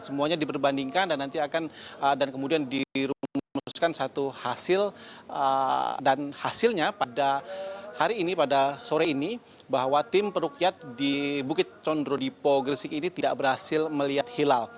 semuanya diperbandingkan dan nanti akan dan kemudian dirumuskan satu hasil dan hasilnya pada hari ini pada sore ini bahwa tim perukyat di bukit condro dipo gresik ini tidak berhasil melihat hilal